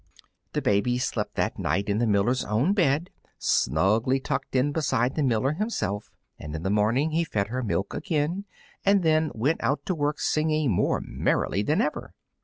The baby slept that night in the miller's own bed, snugly tucked in beside the miller himself; and in the morning he fed her milk again, and then went out to his work singing more merrily than ever.